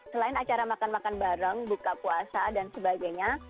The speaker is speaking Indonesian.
selain acara makan makan bareng buka puasa dan sebagainya